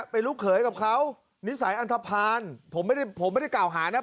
เป็นลูกเขยกับเขานิสัยอันทภาณผมไม่ได้ผมไม่ได้กล่าวหานะ